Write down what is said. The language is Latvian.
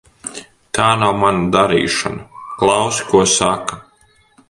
Tā nav mana darīšana. Klausi, ko saka.